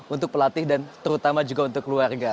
untuk pelatih dan terutama juga untuk keluarga